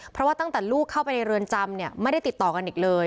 เพราะว่าตั้งแต่ลูกเข้าไปในเรือนจำเนี่ยไม่ได้ติดต่อกันอีกเลย